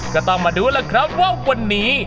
ก็ต้องมาดูแล้วว่าวันนี้